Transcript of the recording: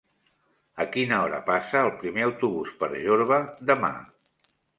A quina hora passa el primer autobús per Jorba demà?